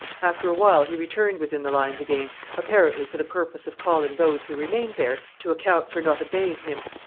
After a while he returned within the lines again, apparently for the purpose of calling those who remained there to account for not obeying him.